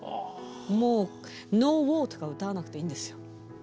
もう「ＮｏＷａｒ」とか歌わなくていいんですよ。